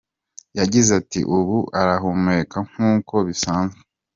Yagize ati “Ubu arahumeka nk’uko bisanzwe.